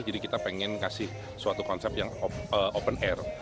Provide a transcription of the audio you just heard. jadi kita pengen kasih suatu konsep yang open air